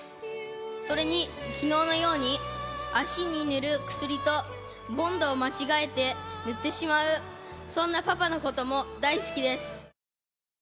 それに、きのうのように足に塗る薬とボンドを間違えて塗ってしまう、そんなパパのことも大好きです。